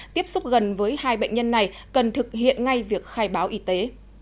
tiếp xúc gần với hai bệnh nhân này cần thực hiện ngay việc khai báo y tế